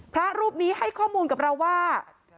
พระรูปนี้ให้ข้อมูลกับเราว่า